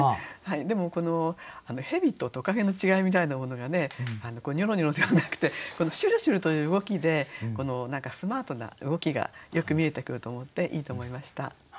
でもこの蛇と蜥蜴の違いみたいなものが「にょろにょろ」ではなくてこの「しゅるしゅる」という動きでスマートな動きがよく見えてくると思っていいと思いました。